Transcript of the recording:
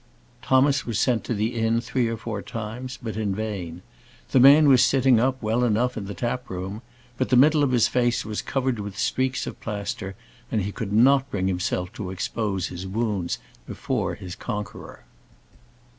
Thomas was sent to the inn three or four times, but in vain. The man was sitting up, well enough, in the tap room; but the middle of his face was covered with streaks of plaster, and he could not bring himself to expose his wounds before his conqueror.